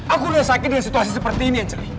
aku sudah sakit dengan situasi seperti ini angelie